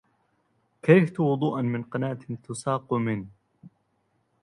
كرهت وضوءا من قناة تساق من